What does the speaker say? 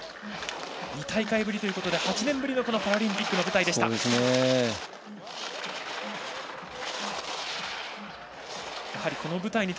２大会ぶりということで８年ぶりのパラリンピックの舞台。